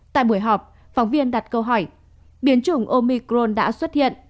tại buổi họp phóng viên đặt câu hỏi biến chủng omicron đã xuất hiện